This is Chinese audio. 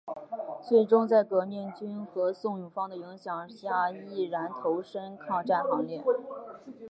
最终在革命军和宋永芳的影响下毅然投身抗战行列。